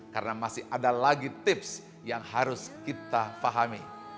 karena masih ada lagi tips yang harus kita pahami